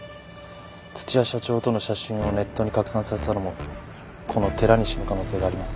土屋社長との写真をネットに拡散させたのもこの寺西の可能性があります。